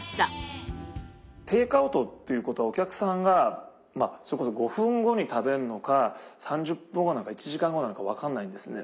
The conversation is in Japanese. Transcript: テイクアウトっていうことはお客さんがまあそれこそ５分後に食べるのか３０分後なのか１時間後なのか分かんないんですね。